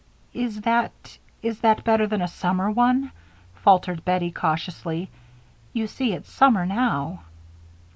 "Is that is that better than a summer one?" faltered Bettie, cautiously. "You see it's summer now."